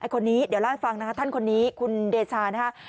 คนนี้เดี๋ยวล่าฟังนะครับท่านคนนี้คุณเดชานะครับ